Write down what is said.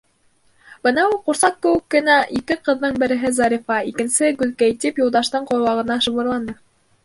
— Бынауы ҡурсаҡ кеүек кенә ике ҡыҙҙың береһе Зарифа, икенсеһе Гөлкәй, -тип Юлдаштың ҡолағына шыбырланы.